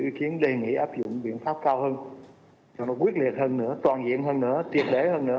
ý kiến đề nghị áp dụng biện pháp cao hơn cho nó quyết liệt hơn nữa toàn diện hơn nữa tiệ hơn nữa